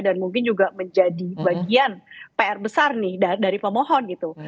dan mungkin juga menjadi bagian pr besar nih dari pemohon gitu